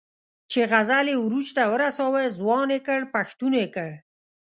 چې غزل یې عروج ته ورساوه، ځوان یې کړ، پښتون یې کړ.